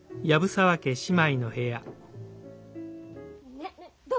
ねえどう？